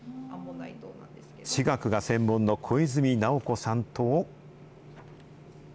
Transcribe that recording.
地学が専門の小泉奈緒子さんと。